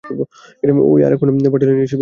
ওই আরক্ষণ পার্টি লাইনে বসে পরলো।